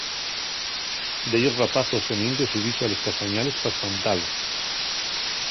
Dellos rapazos teníen que subise a les castañales pa espantalos.